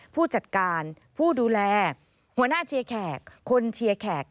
ผู้จัดการผู้ดูแลหัวหน้าเชียร์แขกคนเชียร์แขก